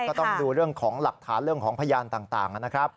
ก็ต้องดูเรื่องของหลักฐานเรื่องของพยานต่างนะครับ